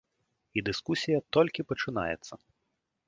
І дыскусія толькі пачынаецца.